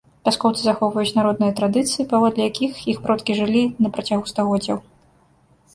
Вяскоўцы захоўваюць народныя традыцыі, паводле якіх іх продкі жылі на працягу стагоддзяў.